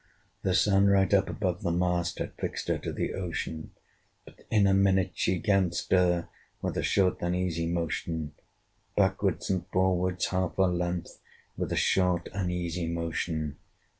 The Sun, right up above the mast, Had fixed her to the ocean: But in a minute she 'gan stir, With a short uneasy motion Backwards and forwards half her length With a short uneasy motion.